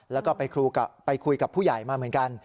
แล้วก็ไปคุยกับผู้ใหญ่มาเหมือนกัน